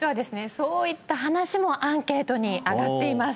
そういった話もアンケートに挙がっています